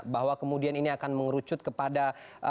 bahwa kemudian ini akan mengerucut kepada